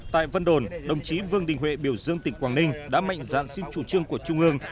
tại vân đồn đồng chí vương đình huệ biểu dương tỉnh quảng ninh đã mạnh dạn xin chủ trương của trung ương